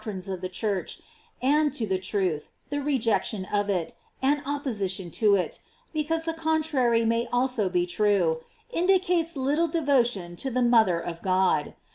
11 8 faith and the decrees of the Church, and to the truth, the rejection of it, and opposition to it, be cause the contrary may also be true, indicates little devotion to the mother of God.